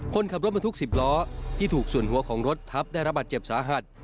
คนขับรถบรรทุก๑๐ล้อที่ถูกส่วนหัวของรถทับได้รับบาดเจ็บสาหัส